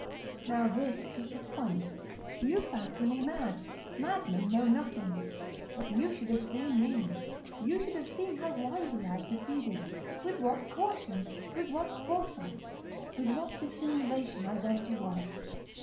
Now this is the point. You fancy me mad. Madmen know nothing. But you should have seen me. You should have seen how wisely I proceeded—with what caution—with what foresight—with what dissimulation I went to work!